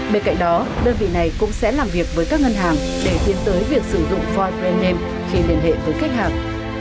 bên cạnh đó đơn vị này cũng sẽ làm việc với các ngân hàng để tiến tới việc sử dụng void brand name khi liên hệ với khách hàng